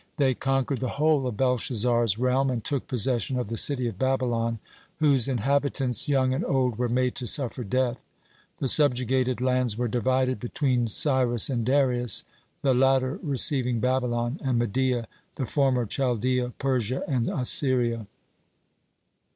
They conquered the whole of Belshazzar's realm, and took possession of the city of Babylon, whose inhabitants, young and old, were made to suffer death. The subjugated lands were divided between Cyrus and Darius, the latter receiving Babylon and Media, the former Chaldea, Persia, and Assyria.